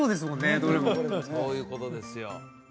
そういうことですよ